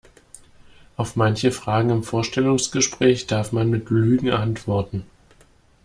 Auf manche Fragen im Vorstellungsgespräch darf man mit Lügen antworten.